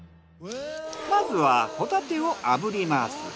まずはホタテを炙ります。